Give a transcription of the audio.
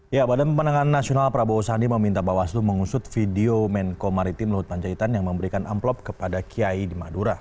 ya badan pemenangan nasional prabowo sandi meminta bawaslu mengusut video menko maritim luhut panjaitan yang memberikan amplop kepada kiai di madura